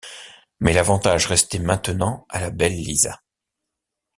Mais l’avantage restait maintenant à la belle Lisa.